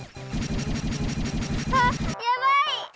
あっやばい！